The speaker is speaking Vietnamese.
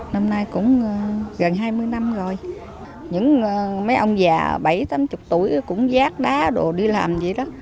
năm nay cũng gần hai mươi năm rồi những mấy ông già bảy tám mươi tuổi cũng giác đá đồ đi làm vậy đó